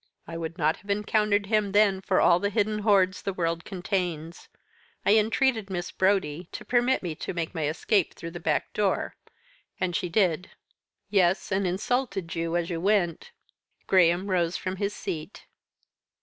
I would not have encountered him then for all the hidden hoards the world contains. I entreated Miss Brodie to permit me to make my escape through the back door and she did." "Yes, and insulted you as you went." Graham rose from his seat.